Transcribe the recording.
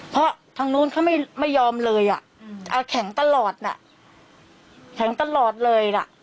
เพราะทางนู้นเขาไม่ยอมเลยอ่ะแข็งตลอดน่ะแข็งตลอดเลยน่ะ